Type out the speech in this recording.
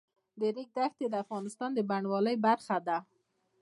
د ریګ دښتې د افغانستان د بڼوالۍ برخه ده.